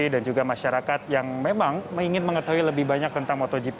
dan juga masyarakat yang memang ingin mengetahui lebih banyak tentang motogp